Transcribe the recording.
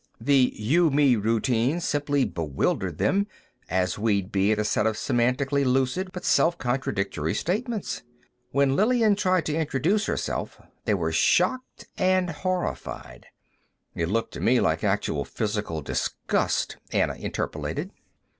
The you me routine simply bewildered them, as we'd be at a set of semantically lucid but self contradictory statements. When Lillian tried to introduce herself, they were shocked and horrified...." "It looked to me like actual physical disgust," Anna interpolated.